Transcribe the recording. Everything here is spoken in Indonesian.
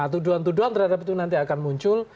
tuduhan tuduhan terhadap itu nanti akan muncul